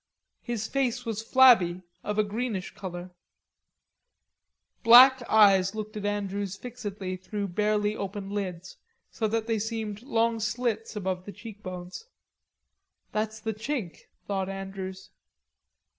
His face was flabby, of a greenish color; black eyes looked at Andrews fixedly through barely open lids, so that they seemed long slits above the cheekbones. "That's the Chink," thought Andrews.